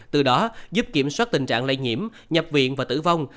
từ đó giúp kiểm soát tình trạng lây nhiễm nhập viện và tử vong